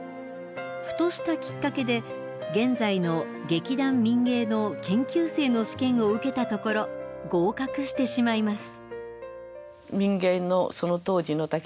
ふとしたきっかけで現在の劇団民藝の研究生の試験を受けたところ合格してしまいます。